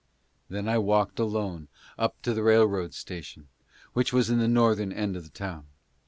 Then I walked alone up to the railroad station, which was in the northern end of the town.